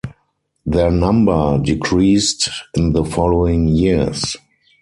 Their number decreased in the following years.